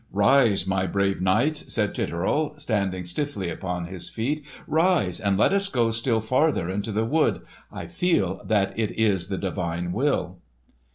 "Rise, my brave knights," said Titurel standing stiffly upon his feet. "Rise, and let us go still farther into this wood. I feel that it is the divine will."